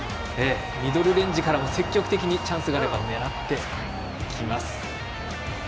ミドルレンジからも積極的にチャンスがあれば狙っていきます。